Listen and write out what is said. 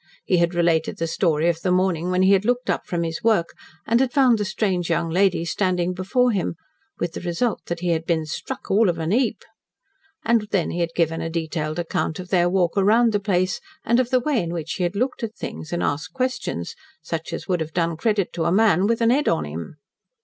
He had related the story of the morning when he had looked up from his work and had found the strange young lady standing before him, with the result that he had been "struck all of a heap." And then he had given a detailed account of their walk round the place, and of the way in which she had looked at things and asked questions, such as would have done credit to a man "with a 'ead on 'im."